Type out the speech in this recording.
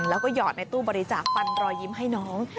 แล้วก็หยอดในตู้บริจาคปันรอยยิ้มให้น้อง